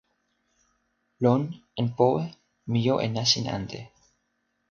lon en powe. mi jo e nasin ante.